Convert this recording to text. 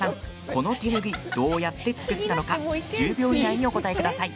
この手拭いどうやって作ったのか１０秒以内にお答えください。